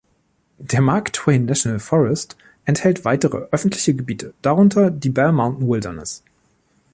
Der Mark Twain National Forest enthält weitere öffentliche Gebiete, darunter die Bell Mountain Wilderness.